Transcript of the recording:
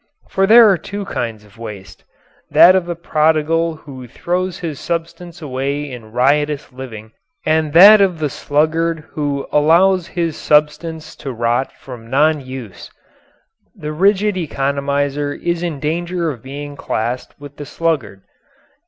For there are two kinds of waste that of the prodigal who throws his substance away in riotous living, and that of the sluggard who allows his substance to rot from non use. The rigid economizer is in danger of being classed with the sluggard.